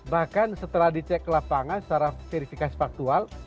bahkan setelah dicek lapangan secara verifikasi faktual